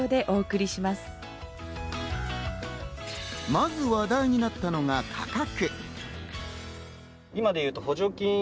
まず話題になったのが価格。